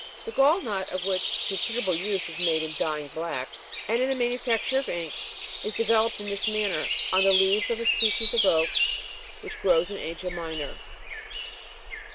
The gall nut, of which considerable use is made in dyeing black, and in the manufacture of ink, is developed in this manner on the leaves of a species of oak which grows in Asia Minor.